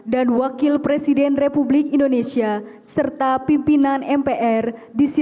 dengan seluruh seluruhnya serta berbakti kepada nusa dan bangsa